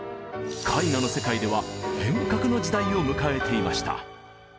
絵画の世界では変革の時代を迎えていました。